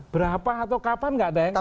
berapa atau kapan tidak ada yang tahu